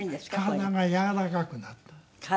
体がやわらかくなる。